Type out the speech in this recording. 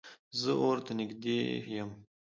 زه اور ته نږدې یم